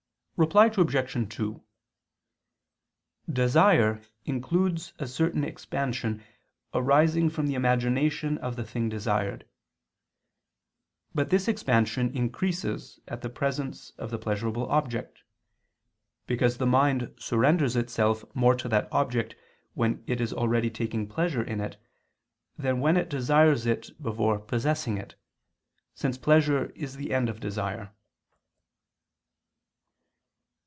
Reply Obj. 2: Desire includes a certain expansion arising from the imagination of the thing desired; but this expansion increases at the presence of the pleasurable object: because the mind surrenders itself more to that object when it is already taking pleasure in it, than when it desires it before possessing it; since pleasure is the end of desire.